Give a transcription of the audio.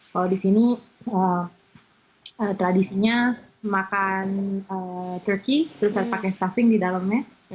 kalau di sini tradisinya makan turkey terus ada pakai stuffing di dalamnya